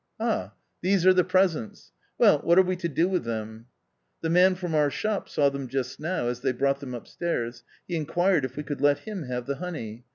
Ah, these are the presents !' Well," what are we to "do with them ?" u The man from our shop saw them just now, as they brought them upstairs ; he inquired if we could let him have the honey.